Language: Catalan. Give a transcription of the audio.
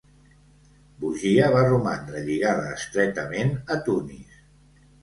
Bugia va romandre lligada estretament a Tunis.